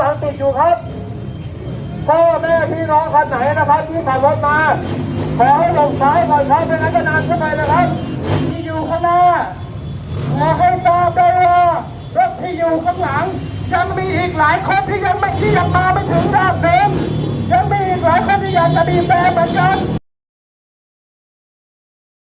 เพราะที่อยู่ข้างหลังยังมีอีกหลายคนที่ยังไม่ที่จะมาไปถึงรอบเดิม